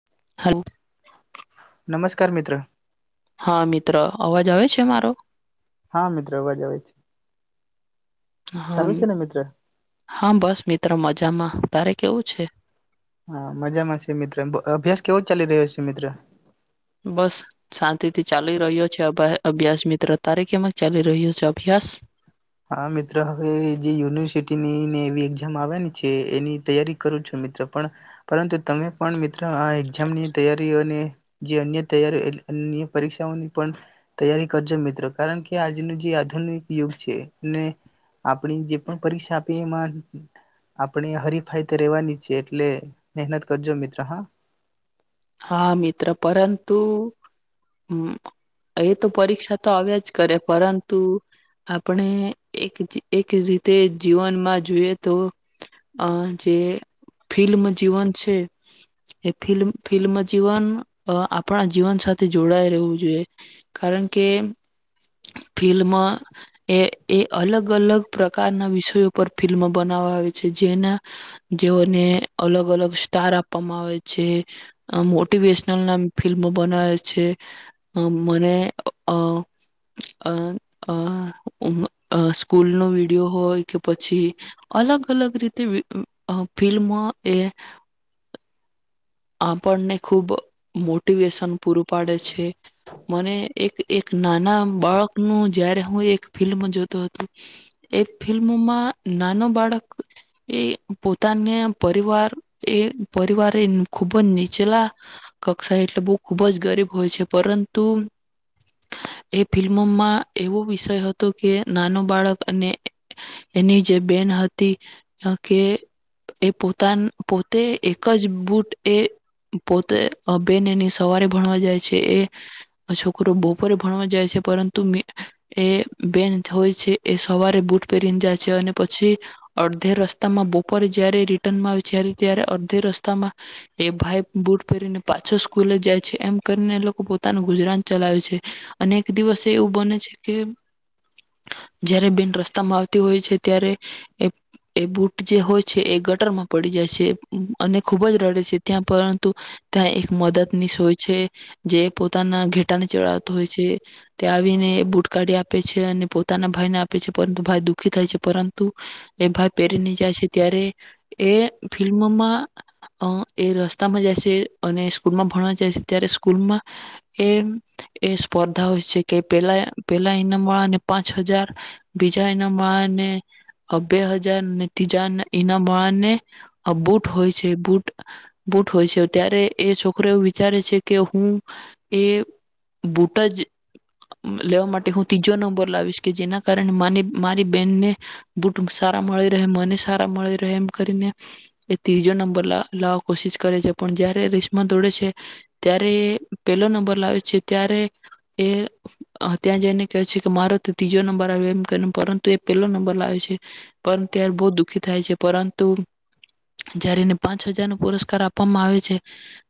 [inaudible] નમસ્કાર મિત્ર. હા મિત્ર. અવાજ આવે છ છે મારો? હા મિત્ર અવાજ આવે છે. હા સારું છે ને મિત્ર હા બસ મિત્રો મજામાં. તારે કેવું છે? હા મજામાં છે મિત્રો અભ્યાસ કેવો ચાલી રહ્યો છે મિત્ર? બસ શાંતિથી ચાલી રહ્યો છેભ અભ્યાસ મિત્ર. ત કેમમાં ચાલી રહ્યો છે અભ્યાસ? હા મિત્રો હવે જે યુનિવર્સિટીની ને એવી એક્ઝામ આવની છે એની તૈયારી કરું છું મિત્રો પણ પરંતુ તમે પણ આ એક્ઝામ ની તૈયારીઓને જે અન્ય તૈયારી અન્ય પરીક્ષાઓની પણ તૈયારી કરજો મિત્રો કારણ કે આજનું જે આધુનિક યુગ છે. આપણી જે પણ પરીક્ષા આપીએ એમાં આપણે હરીફાઈ તો રેવાની છે એટલે મહેનત કરજો મિત્ર હા. હા મિત્ર પરંતુ હમ. એ તો પરીક્ષા તો આવ્યા જ કરે પરંતુ આપણે એક એક રીતે જીવનમાં જોઈએ તો આ જે ફિલ્મ જીવન છે એ ફિલ્મ જીવન અ આપણા જીવન સાથે જોડાય રહેવું જોઈએ કારણ કે ફિલ્મ એ-એ અલગ-અલગ પ્રકારના વિષયો પર ફિલ્મો બનાવા આવે છે. જેના જેઓને અલગ-અલગ સ્ટાર આપવામાં આવે છે. આ મોટિવેશનલ ના ફિલ્મો બનાવે છે. મને સ્કૂલ અહ અહ અહ અહ સ્કૂલનો વિડીયો હોય કે પછી અલગ-અલગ રીતે વિ ફિલ્મ એ આપણને ખુબ મોટિવેશન પૂરું પાડે છે. મને એક-એક નાના બાળકનું જયારે હું એક ફિલ્મ જો તો હતો, એ ફિલ્મમાં નાનો બાળક એ પોતાને પરિવાર એ પરિવારે ખૂબ જ નીચલા કક્ષા એટલે બહું ખૂબ જ ગરીબ હોય છે, પરંતુ એ ફિલ્મોમાં એવો વિષય હતો કે નાનો બાળક અને એની જે બેન હતી કે એ પોતાન પોતે એક જ બુટ એ પોતે બેન એની સવારે ભણવા જાય છે, એ છોકરો બપોરે ભણવા જાય છે, પરંતુ મિ એ બેન હોય છે એ સવારે બૂટ પહેરીને જાય છે, અને પછી અડધે રસ્તામાં બપોરે જયારે રિટર્નમાં આવે છ ત્યારે અડધે રસ્તામાં એ ભાઈ બુટ પહેરીને પાછો સ્કૂલે જાય છે. એમ કરીને એ લોકો પોતાનું ગુજરાન ચલાવે છે. અને એક દિવસ એવું બને છે કે જયારે બેન રસ્તામાં આવતી હોય છે, ત્યારે એ-એ બૂટ જે હોય છે એ ગટરમાં પડી જાય છે. અને ખુબ જ રડે છે. ત્યાં પરંતુ ત્યાં એક મદદનીશ હોય છે, જે પોતાના ઘેટાને ચડાવતો હોય છે, તે આવીને બુટ કાઢી આપે છે, અને પોતાના ભાઈને આપે છે, પરંતુ ભાઈ દુઃખી થાય છે, પરંતુ એ ભાઈ પહેરીને જાય છે. ત્યારે એ ફિલ્મમાં અહ એ રસ્તામાં જાય છે, અને સ્કૂલ માં ભણવા જાય છે, ત્યારે સ્કૂલમાં એ-એ સ્પર્ધા હોય છે કે પેલા-પેલા ઈનામ વાળાને પાંચ હજાર બીજા ઈનામવાળા ને અહ બે હજાર, ને ત્રીજા ઈનામવાળા ને આ બુટ હોય છે, બુટ બૂટ હોય છે. ત્યારે એ છોકરો એવું વિચારે છે કે હું એ બૂટ જ લેવા માટે હું તીજો નંબર લાવીશ, કે જેના કારણે માની મારી બેનને બૂટ સારા મળી રહે, મને સારા મળી રહે, એમ કરીને એ ત્રીજો નંબર લાયો. કોશિશ કરે છે, પણ જ્યારે રેસમાં દોડે છે ત્યારે એ પેલો નંબર લાવે છે. ત્યારે એ અહ ત્યાં જઈને કહે છે કે મારો તો તીજો નંબર આયો એમ કરીને પરંતુ એ પેલો નંબર લાવે છે, પણ ત્યારે બોલ દુઃખી થાય છે, પરંતુ જ્યારે એને પાંચ હજાર નું પુરસ્કાર આપવામાં આવે છે,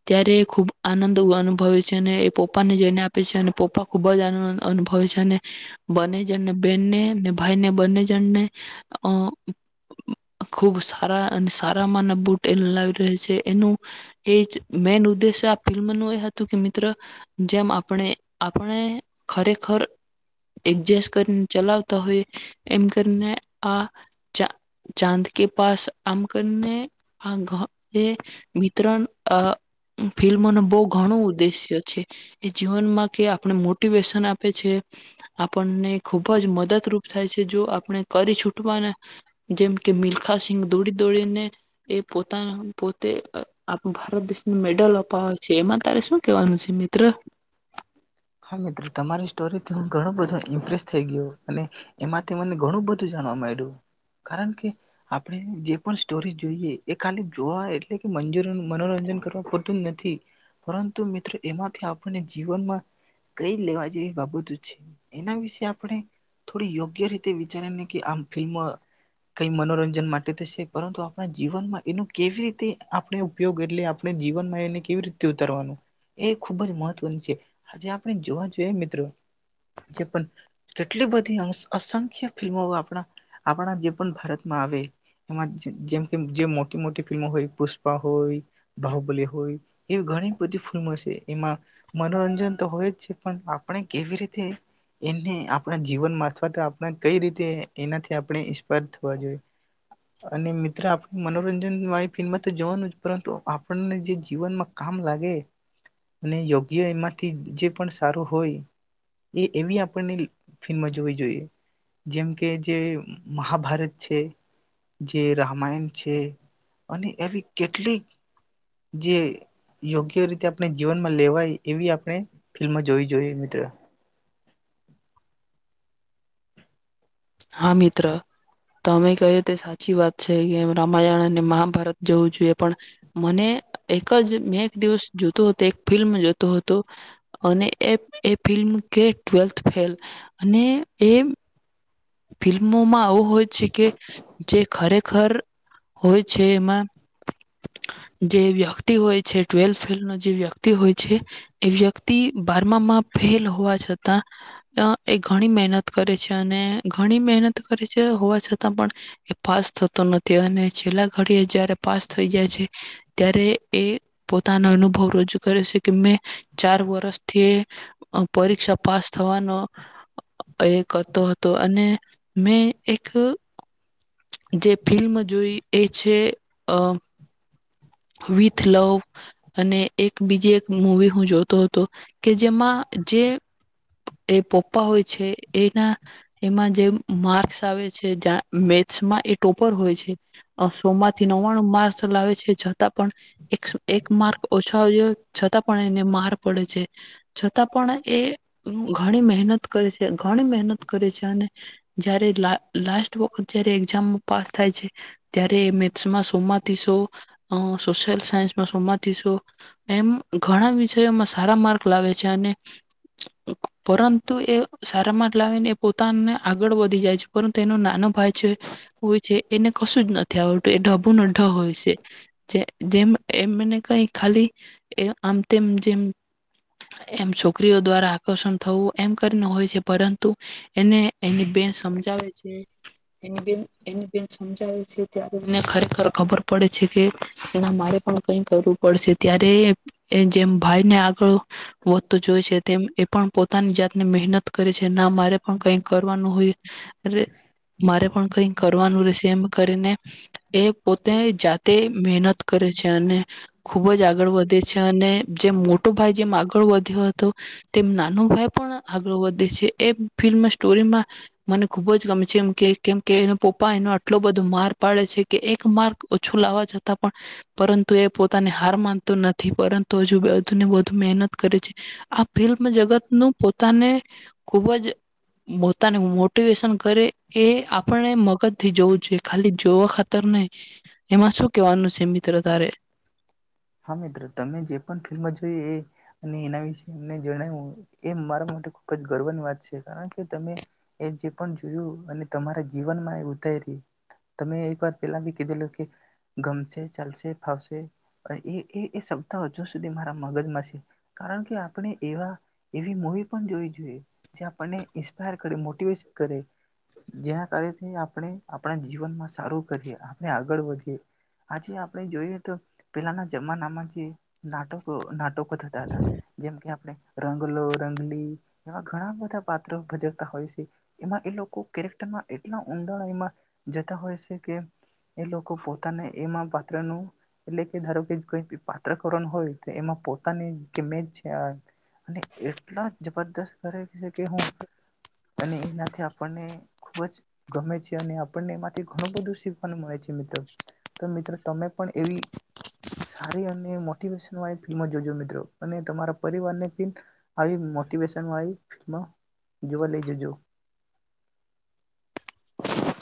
ત્યારે એ ખૂબ આનંદ વ અનુભવે છે, અને એ પપ્પા ને જઈને આપે છે અને પપ્પા ખુબ જ આનંદ અનુભવે છે, અને બંને જણને બહેનને ભાઈને ને બંને જણને અહ ખુબ સારા અને સારામાં ના બૂટ લવી [unintelligible] છે એનું એ મેન ઉદ્દેશ્ય આ ફિલ્મ નું એ હતું કે મિત્ર જેમ આપણે આપણે ખરેખર એડજસ્ટ કરીને ચલાવતા હોઈએ એમ કરીને આ ચા ચાંદ કે પાસ આમ કને આ એ વિતરણ આ ફિલ્મો ન બો ઘણું ઉદ્દેશ્ય છે એ જીવનમાં કે આપણે મોટિવેશન આપે છે આપણને ખુબ જ મદદરૂપ થાય છે જો આપણે કરી છૂટવાના જેમ કે મિલખા સિંગ દોડી દોડીને એ પોતાના પોતે ભારત દેશનું મેડલ અપાવે છે એમાં તારે શું કેવાનું છે મિત્ર હા તમારી સ્ટોરીથી હ ઘણું બધું ઇમ્પ્રેસ થઈ ગયોું અને એમાંથી મને ઘણું બધું જાણવા માંડ્યું કારણ કે આપણે જે પણ સ્ટોરી જોઈએ એ ખાલી જોવા એટલે કે મંજર મનોરંજન કરવા પૂરતું નથી પરંતુ મિત્રો એમાંથી આપણને જીવનમાં કઈ લેવા જેવી બાબતો છે એના વિશે આપણે થોડી યોગ્ય રીતે વિચારીને કે આમ ફિલ્મ કઈ મનોરંજન માટે થશે પરંતુ આપણા જીવનમાં એનો કેવી રીતે આપણે ઉપયોગ એટલે આપણે જીવનમાં એને કેવી રીતે ઉતારવાનું એ ખૂબ જ મહત્વનું છે આજે આપ જોવા જોઈએ મિત્રો જે પણ કેટલી બધી અસંખ્ય ફિલ્મો આપણા આપણા જે પણ ભારતમાં આવે એમાં જેમ કે જે મોટી મોટી ફિલ્મો હોય પુષ્પા હોય બાહુબલી હોય એવી ઘણી બધી ફિલ્મો છે એમાં મનોરંજન તો હોય જ પણ આપણે કેવી રીતે એને આપણા જીવનમાં અથવા તો આપણા કઈ રીતે એનાથી આપણે ઇન્સ્પાયર થવા જોઈએ અને મિત્ર આપણે મનોરંજન વાળી ફિલ્મમાં તો જોવાનું પરંતુ આપણને જે જીવનમાં કામ લાગે અને યોગ્ય એમાંથી જે જે પન સારું હોય એ એવી આપણને ફિલ્મમાં જોવી જોઈએ જેમ કે જે મહાભારત છે જે રામાયણ છે અને એવી કેટલીક જે યોગ્ય રીતે આપણે જીવનમાં લેવાય એવી આપણે ફિલ્મ જોવી જોઈએ મિત્ર હા મિત્ર તમે કહ્યું તે સાચી વાત છે કેમ રામાયણ અને મહાભારત જવું જોઈએ પણ મને એક જ મેં એક દિવસ જોતો હતો એક ફિલ્મ જોતો હતો અને ફિલ્મ કે ટવેલ્થ ફેલ અને એમ એ ફિલ્મોમાં આવું હોય છે કે જે ખરેખર હોય છે એમાં જે વ્યક્તિ હોય છે ટ્વેલ્થ ફેલ નો જે વ્યક્તિ હોય છે એ વ્યક્તિ બારમામાં ફેલ હોવા છતાં એ ઘણી મહેનત કરે છે અને ઘણી મહેનત કરે છે હોવા છતાં પણ એ પાસ થતું નથી અને છેલ્લા ઘડી જ્યારે પાસ થઈ જાય છે ત્યારે એ પોતાનો અનુભવ રજૂ કરે છે કેમે ચાર વરસથી પરીક્ષા પાસ થવાનો એ કરતો હતો અને મેં એક જે ફિલ્મ જોઈ એ છે અ વિથ લવ અને એક બીજી એક મવી હું જોતો હતો કે જેમાં જે એ પપ્પા હોય છે એના એમાં જે માર્ક્સ આવે છે મેથ્સમાં એ ટોપર હોય છે સો માંથી નવ્વાણું માર્કસ લાવે છે છતાં પણ એક એક માર્ક ઓછો છતાં પણ એને માર પડે છે છતાં પણ એ ઘણી મહેનત કરે છે ઘણી મહેનત કરે છે તને જયારે લા લાસ્ટ વખત જયારે એક્ઝામમાં પાસ થાય છે ત્યારે મેથ્સમાં સોમાંથીશો સોશિયલ સાયન્સમાં સોમાંથીશો એમ ઘણા વિષયોમાં સારા માર્ક લાવે છે અને પરંતુ એ સારા માર્ક લાવીને એ પોતે ને આગળ વધી જાય છે પરંતુ તેનો નાનો ભાઈ. છે હ છે. એને કશું જ નથી આવતું એ ઢબું નઢ હોય છે. જે જેમ એમને કઈ ખાલી એ આમ તેમ જેમ એમ છોકરીઓ દ્વારા આકર્ષણ થવું એમ કરીને હોય છે પરંતુ એને એની બેન સમજાવે છે. એની બન એની બન સમજાવે છે ત્યારે એને ખરેખર ખબર પડે છે કે એના મારે પણ કઈ કરવું પડશે ત્યારે એ જેમ ભાઈને આગળ વધતો જોય છે તેમ એ પણ પોતાની જાતને મહેનત કરે છે ના મારે કઈક કરવાનું હોય મારે પણ કઈક કરવાનું રહેશે એમ કરીને એ પોતે જાતે મહેનત કરે છે અને ખુબ જ આગળ વધે છે અને જેમ મોટો ભાઈ જેમ આગળ વધ્યો હતો તેમ નાનો ભાઈ પણ આગળ વધે છે એ. ફિલ્મ સ્ટોરીમાં મને ખુબ જ ગમે છે એમ કે કેમ કે એનો પપ્પા એનો આટલો બધો માર પાડે છે કે એક માર ઓછું લાવવા જતા પણ પરંતુ એ પોતાની હાર માન તો નથી પરંતુ હજુ બધુને વધુ મહેનત કરે છે આ ફિલ્મ જગત નું પોતાને ખૂબ જ પોતાને મોટિવેશન કરે એ આપણને મગજ થી જોવું જોઈએ ખાલી જોવા ખાતર નને એમાં શું કેવાનું છે મિત્ર તારે. હા મિત્રો તમે જે પણ ફિલ્મ જોય એ અને એના વિશે એમને જણાવ્યું એ મારા માટે ખુબ જ ગર્વની વાત છે કારણ કે તમે એ જે પણ જોયું અને તમારા જીવનમાં એ ઉતારી ર તમે એક વાર પેલા બી કીધેલું કે ગમશે ચાલશે ફાવશે. એ સ્ હજુ સુધી મારા મગજમાં છે કારણ કે આપણે એવા એવી મવી પણ જોવી જોઈએ જે આપને ઇન્પાયર કર મોટવેટ કરે જેના કાર આપણે આપણા જીવનમાં સારું કરીએ આપણે આગળ વધએ આજે આપણે જોઈએ તો. પેલાના જમાનામાં જે નાટકો નાટકો થતા હતા જેમ કે આપણે રંગલો રંગલી એવા ઘણા બધા પાત્ર ભજવતા હોય છે એમાં એ લોકો કેરેક્ટરમાં એટલા ઊંડા એમાં જતા હોય છે કે એ લોકો પોતાને એમાં પાત્ર ન ધરો કે કોઈ પા ચ્રણ હોય તો એમાં પોતાનીમેજ છે અને એટલા જબરદસ્ત કરે છે કે હું અને એનાથી આપણને ખૂબ જ ગમે છે અને આપણને એમાંથી ઘણું બધું શીખવાનું મળે છે મિત્ર તો મિત્રો તમે પણ એવી સારી અને મોટિવેશન વાળી ફિલ્મો જોજો મિત્રો અને તમારા પરિવારને પણ આવી મોટિવેશન વાળી ફિલ્મો જોવા લઈ જજો.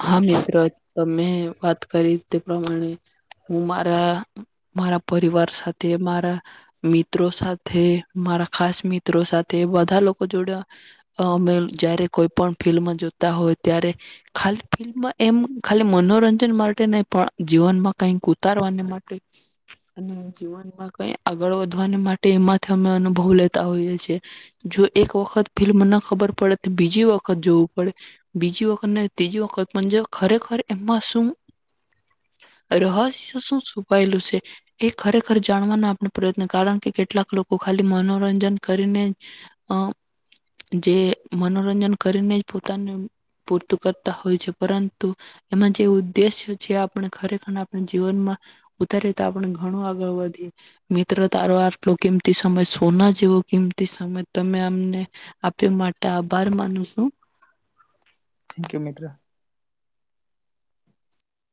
હા મિત્ર તમે વાત કરી તે પ્રમાણે હું મારા મારા પરિવાર સાથે મારા મિત્રો સાથે મારા ખાસ મિત્રો સાથે બધા લોકો જોડે અમે જયારે કોઈ પણ ફિલ્ડમાં જો હોય ત્યારે ખાલી ફિલ્મ એમ ખાલી મનોરંજન માટે નહી પણ જીવનમાં કઈક ઉતારવાને માટે અને જીવનમાં કઈ આગળ વધવાને માટે એમાંથી અમે અનુભવ લેતા હોઈએ છીએ જો એક વખત ફિલ્મ ન ખબર પડે તો બીજી વખત જોવું પડે બીજી વખતને ત્રીજી વખત પણ જે ખરેખર એમાં શું રહસ્ય શું છપાયેલું છે એ ખરેખર જાણવાનો આપણે પ્રયત્ન કારણ કે કેટલાક લોકો ખાલી મનોરંજન કરીને હમ. જે મનોરંજન કરીને જ પોતાને પોર્તુગ હોય છે પરંતુ એમાં જ તે ઉદ્દેશ્ય છે આપણ ખરેખર આપણા જીવનમાં ઉતારી તો આપણે ઘણું આગળ વધીએ મિત્ર તારો આટ કેમતી સમમે સોના જેવો કિંમતી સમય તમે અમને આપે માટે આભાર માનું છું. થેન્ક યુ મિત્ર.